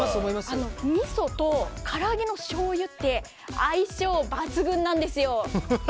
みそと、から揚げのしょうゆって相性抜群なんですよ。